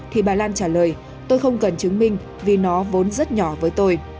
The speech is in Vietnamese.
thì bà lan trả lời tôi không cần chứng minh vì nó vốn rất nhỏ với tôi